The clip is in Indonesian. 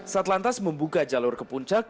satu lantas membuka jalur ke puncak